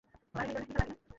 জয়া কিছু বলে নাই।